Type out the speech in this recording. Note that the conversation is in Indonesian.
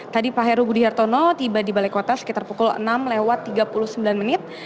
tadi pak heru budi hartono tiba di balai kota sekitar pukul enam lewat tiga puluh sembilan menit